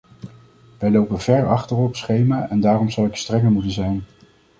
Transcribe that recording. Wij lopen ver achter op schema en daarom zal ik strenger moeten zijn.